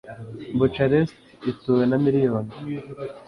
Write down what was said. Bucharest ituwe na miliyoni